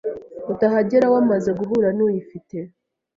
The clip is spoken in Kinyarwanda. utahagera wamaze guhura n'uyifite